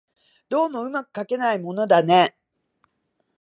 どうも巧くかけないものだね